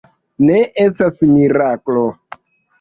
Ne estas miraklo.